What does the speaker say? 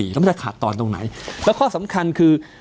แล้วมันจะขาดตอนตรงไหนแล้วข้อสำคัญคือ